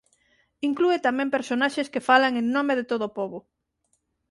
Inclúe tamén personaxes que falan en nome de todo o pobo.